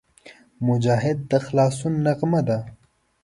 مجاهد د خلاصون نغمه ده.